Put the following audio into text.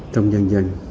trong dân dân